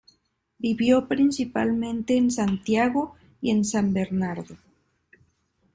Vivió principalmente en Santiago y en San Bernardo.